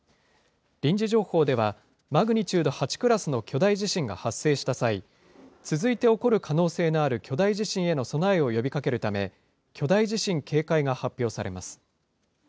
臨時情報では、マグニチュード８クラスの巨大地震が発生した際、続いて起こる可能性のある巨大地震への備えを呼びかけるため、巨大地震警戒が発表されます。